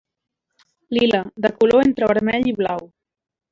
Lila, de color entre vermell i blau.